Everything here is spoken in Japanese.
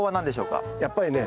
やっぱりね